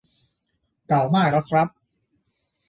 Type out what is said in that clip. เก่ามากแล้วครับ